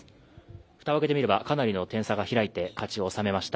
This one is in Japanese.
蓋を開けてみればかなりの点差が開いて勝ちを収めました。